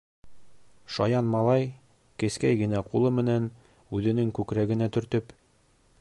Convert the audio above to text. Шаян малай, кескәй генә ҡулы менән үҙенең күкрәгенә төртөп: